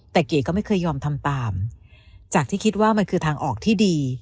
แต่เก๋ก็ไม่เคยยอมทำตามจากที่คิดว่ามันคือทางออกที่ดี